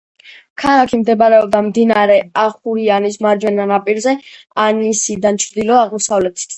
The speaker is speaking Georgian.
ქალაქი მდებარეობდა მდინარე ახურიანის მარჯვენა ნაპირზე, ანისიდან ჩრდილო-აღმოსავლეთით.